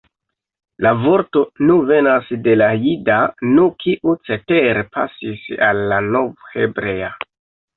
La vorto nu venas de la jida nu, kiu cetere pasis al la novhebrea.